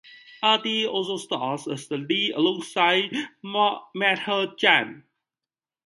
Aadhi also stars as the lead alongside Madhuri Jain.